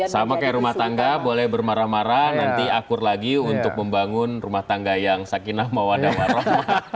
sama kayak rumah tangga boleh bermarah marah nanti akur lagi untuk membangun rumah tangga yang sakinah mawadah marah